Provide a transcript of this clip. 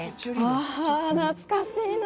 あ懐かしいな。